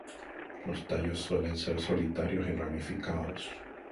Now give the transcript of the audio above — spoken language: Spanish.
Los tallos suelen ser solitarios y ramificados.